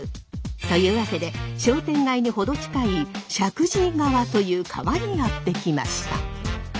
というわけで商店街に程近い石神井川という川にやって来ました。